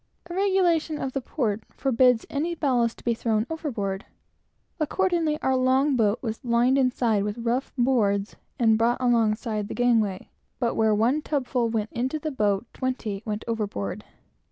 A regulation of the port forbids any ballast to be thrown overboard; accordingly, our long boat was lined inside with rough boards and brought alongside the gangway, but where one tub full went into the boat, twenty went overboard.